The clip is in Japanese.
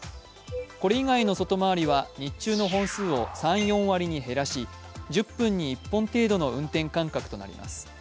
これ以外の外回りは日中の本数を３４割に減らし１０分に１本程度の運転間隔となります。